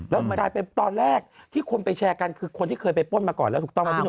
แล้วกลายเป็นตอนแรกที่คนไปแชร์กันคือคนที่เคยไปป้นมาก่อนแล้วถูกต้องไหมพี่ห